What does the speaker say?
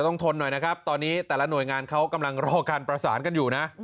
ทนหน่อยนะครับตอนนี้แต่ละหน่วยงานเขากำลังรอการประสานกันอยู่นะ